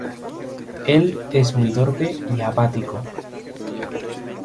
Él es muy torpe y apático.